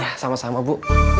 ya sama sama bu